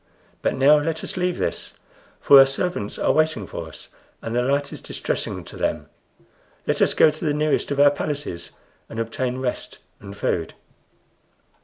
But now let us leave this, for our servants are waiting for us, and the light is distressing to them. Let us go to the nearest of our palaces and obtain rest and food."